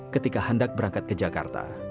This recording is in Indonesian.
ketika hendak berangkat ke jakarta